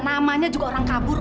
namanya juga orang kabur